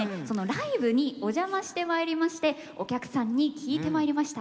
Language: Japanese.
ライブにお邪魔してまいりましてお客さんに聞いてまいりました。